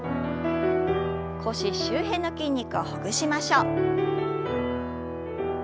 腰周辺の筋肉をほぐしましょう。